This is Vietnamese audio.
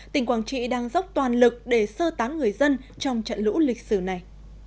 tỉnh quảng trị đang dốc toàn lực để sơ tán người dân trong trận lũ lịch sử này